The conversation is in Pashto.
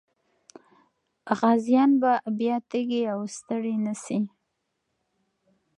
غازيان به بیا تږي او ستړي نه سي.